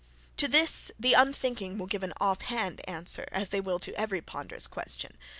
To this the unthinking will give an off hand answer, as they will to every ponderous question.